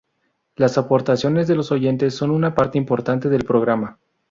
Las aportaciones de los oyentes son una parte importante del programa.